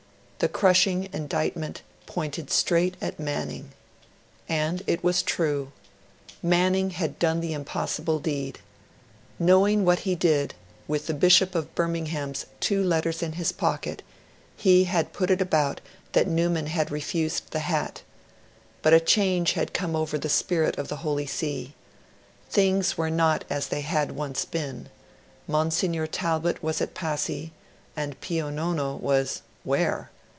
The crushing indictment pointed straight at Manning. And it was true. Manning had done the impossible deed. Knowing what he did, with the Bishop of Birmingham's two letters in his pocket, he had put it about that Newman had refused the Hat. But a change had come over the spirit of the Holy See. Things were not as they had once been: Monsignor Talbot was at Passy, and Pio Nono was where?